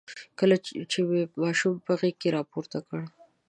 کله چې مې ماشوم په غېږ کې راپورته کړ.